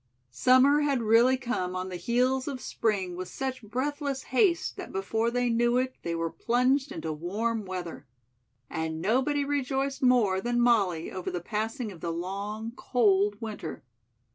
Summer had really come on the heels of spring with such breathless haste that before they knew it they were plunged into warm weather. And nobody rejoiced more than Molly over the passing of the long cold winter.